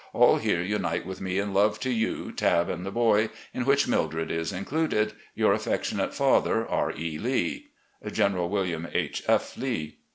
All here unite with me in love to you, Tabb, and the boy, in which Mildred is included.* "Your afEectionate father, "R. E. Lee. "Gekeral William H. F. Lee."